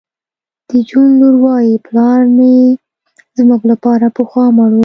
د جون لور وایی پلار مې زموږ لپاره پخوا مړ و